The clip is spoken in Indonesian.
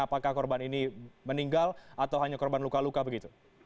apakah korban ini meninggal atau hanya korban luka luka begitu